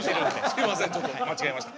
すいませんちょっと間違えました。